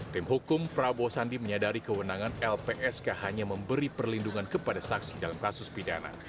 tim hukum prabowo sandi menyadari kewenangan lpsk hanya memberi perlindungan kepada saksi dalam kasus pidana